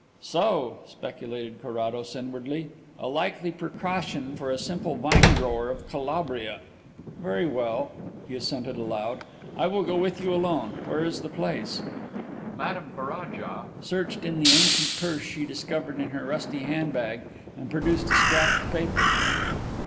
"So," speculated Carrados inwardly. "A likely precaution for a simple vine grower of Calabria! Very well," he assented aloud, "I will go with you alone. Where is the place?" Madame Ferraja searched in the ancient purse that she discovered in her rusty handbag and produced a scrap of paper.